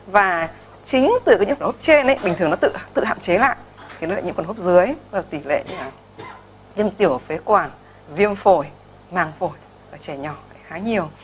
và chính từ cái nhiễm quẩn hốp trên ấy bình thường nó tự hạn chế lại khiến nó lại nhiễm quẩn hốp dưới và tỷ lệ là viêm tiểu phế quản viêm phổi màng phổi trẻ nhỏ khá nhiều